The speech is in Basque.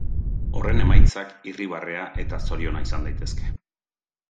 Horren emaitzak irribarrea eta zoriona izan daitezke.